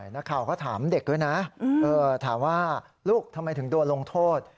นักข่าวก็ถามเด็กด้วยนะถามว่าลูกทำไมถึงโดนลงโทษ